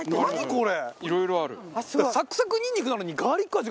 これ。